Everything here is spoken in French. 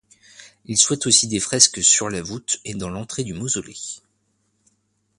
Il souhaite aussi des fresques sur la voûte et dans l'entrée du mausolée.